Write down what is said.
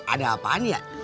ada apaan ya